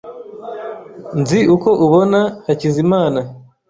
Nzi uko ubona Hakizimana .